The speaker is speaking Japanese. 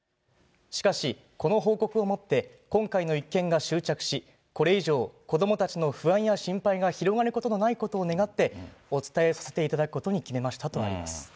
しかし、この報告をもって今回の一件が終着し、これ以上、子どもたちの不安や心配が広がることのないことを願って、お伝えさせていただくことに決めましたとあります。